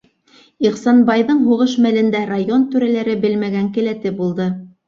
Ихсанбайҙың һуғыш мэлендә район түрәләре белмәгән келәте булды.